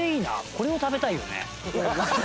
これを食べたいよね。